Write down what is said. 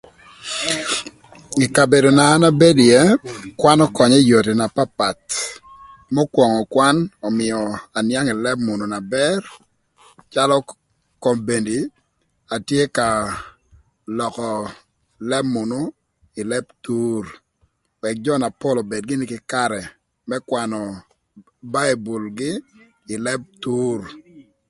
Ï kabedo na an abedo ïë kwan ökönyö ï yodhi na papath. Më acël, kwan ömïö anïang ï lëb münü na bër, calö kobedini atye ka lökö lëb münü ï lëb thur, ëk jö na pol obed gïnï kï karë më kwanö baibulgï ï lëb thur.